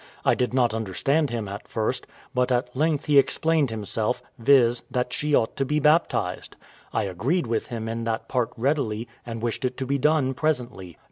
I did not understand him at first; but at length he explained himself, viz. that she ought to be baptized. I agreed with him in that part readily, and wished it to be done presently.